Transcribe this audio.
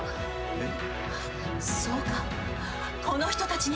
えっ？